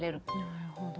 なるほど。